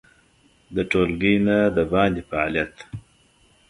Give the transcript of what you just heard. د ټولګي نه د باندې فعالیت